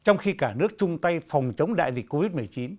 trong khi cả nước chung tay phòng chống đại dịch covid một mươi chín